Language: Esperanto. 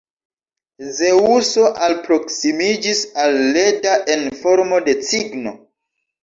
Zeŭso alproksimiĝis al Leda en formo de cigno.